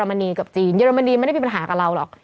ของทางเยอรมนีกับจีนเยอรมนีไม่ได้มีปัญหากับเราหรอก